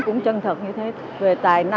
cũng chân thật như thế